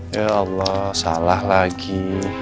ya allah salah lagi